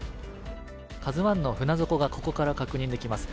「ＫＡＺＵⅠ」の船底がここから確認できます。